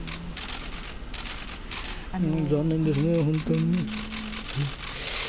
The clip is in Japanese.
もう残念ですね、本当に。